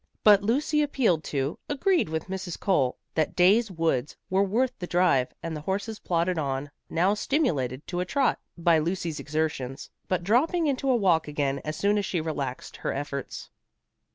But Lucy appealed to, agreed with Mrs. Cole, that Day's Woods were worth the drive, and the horses plodded on, now stimulated to a trot, by Lucy's exertions, but dropping into a walk again as soon as she relaxed her efforts.